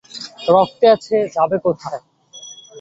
রক্তে আছে, যাবে কোথায়?